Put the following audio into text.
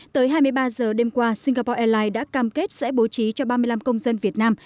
tới hai mươi ba giờ đêm qua singapore airlines đã cam kết sẽ bố trí cho ba mươi năm công dân việt nam